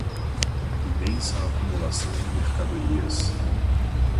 imensa acumulação de mercadorias